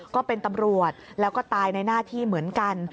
ก็เป็นตำรวจแล้วก็ตายในหน้าที่เหมือนกัน